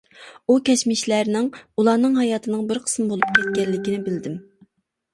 ئۇ كەچمىشلەرنىڭ ئۇلارنىڭ ھاياتىنىڭ بىر قىسمى بولۇپ كەتكەنلىكىنى بىلدىم.